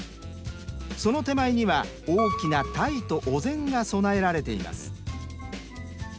その手前には大きな鯛とお膳が供えられています。